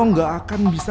pendekat anak ikut saya